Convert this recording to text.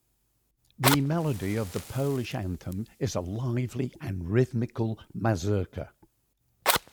The melody of the Polish anthem is a lively and rhythmical mazurka.